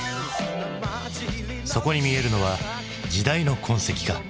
そこに見えるのは時代の痕跡か？